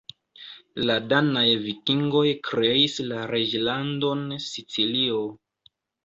La danaj vikingoj kreis la Reĝlandon Sicilio.